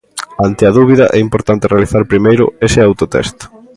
Ante a dúbida, é importante realizar primeiro ese autotest.